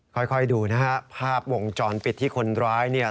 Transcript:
ค่อยดูนะฮะภาพวงจรปิดที่คนร้ายเนี่ย